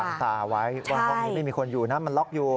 ตาไว้ว่าห้องนี้ไม่มีคนอยู่นะมันล็อกอยู่